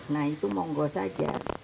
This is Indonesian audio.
nah itu monggo saja